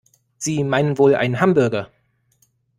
Sie meinen wohl einen Hamburger?